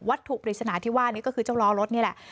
ถูกปริศนาที่ว่านี้ก็คือเจ้าล้อรถนี่แหละ